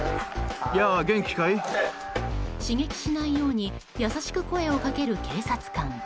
刺激しないように優しく声をかける警察官。